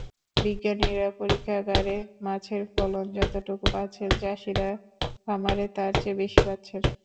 বিজ্ঞানীরা পরীক্ষাগারে মাছের ফলন যতটুকু পাচ্ছেন, চাষিরা খামারে তার চেয়ে বেশি পাচ্ছেন।